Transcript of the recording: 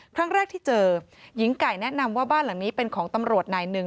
ครั้งแรกที่เจอหญิงไก่แนะนำว่าบ้านหลังนี้เป็นของตำรวจนายหนึ่ง